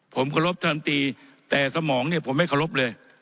ผมกรบท่านลำตีแต่สมองเนี่ยผมไม่กรบเลย